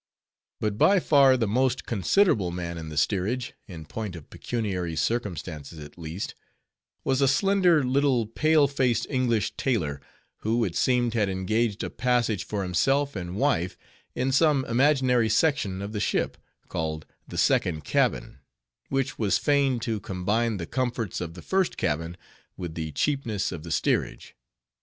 But by far the most considerable man in the steerage, in point of pecuniary circumstances at least, was a slender little pale faced English tailor, who it seemed had engaged a passage for himself and wife in some imaginary section of the ship, called the second cabin, which was feigned to combine the comforts of the first cabin with the cheapness of the steerage.